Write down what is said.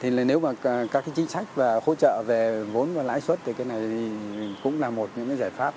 nếu mà các cái chính sách và hỗ trợ về vốn và lãi suất thì cái này cũng là một những cái giải pháp